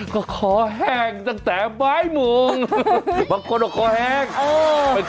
ก็คอแห้งตั้งแต่บ่ายโมงบางคนก็คอแห้ง